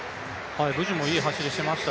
ブジュもいい走りしていました。